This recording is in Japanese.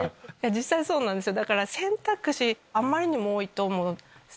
実際そうなんですよ。